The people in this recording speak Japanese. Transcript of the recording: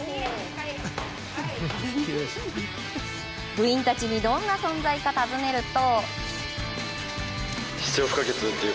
部員たちにどんな存在か尋ねると。